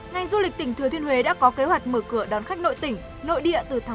ngành du lịch tỉnh thừa thiên huế đã có kế hoạch mở cửa đón khách nội tỉnh nội địa từ tháng một mươi